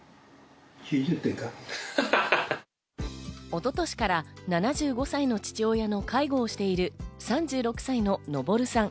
一昨年から７５歳の父親の介護をしている３６歳ののぼるさん。